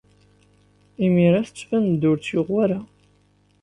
Imir-a, tettban-d ur tt-yuɣ wara.